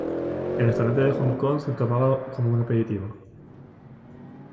En restaurantes de Hong Kong se tomaba como un aperitivo.